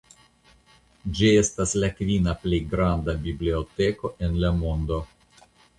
Ĝi estas la kvina plej granda biblioteko en la mondo.